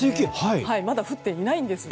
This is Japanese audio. まだ降っていないんですが。